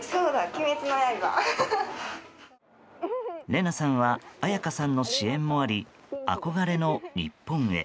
レナさんは綾香さんの支援もあり憧れの日本へ。